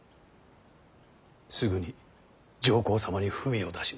すぐに上皇様に文を出します。